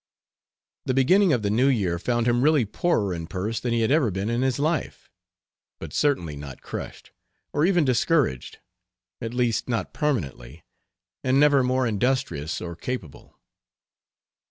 The beginning of the new year found him really poorer in purse than he had ever been in his life, but certainly not crushed, or even discouraged at least, not permanently and never more industrious or capable.